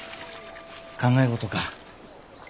考え事か？